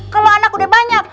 kalo anak udah banyak